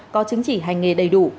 có chứng chỉ hành nghề đầy đủ